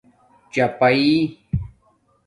چپݳئئ